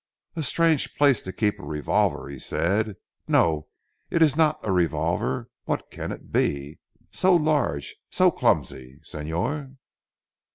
"A strange place to keep a revolver," he said. "No, it is not a revolver what can it be so large so clumsy, Señor?"